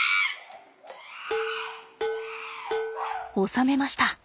収めました。